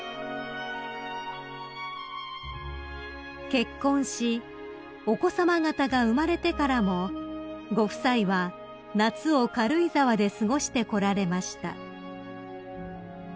［結婚しお子さま方が生まれてからもご夫妻は夏を軽井沢で過ごしてこられました］